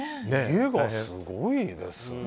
家がすごいですね。